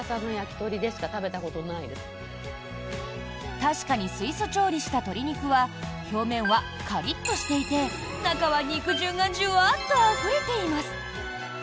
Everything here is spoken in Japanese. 確かに水素調理した鶏肉は表面はカリッとしていて中は肉汁がジュワーッとあふれています。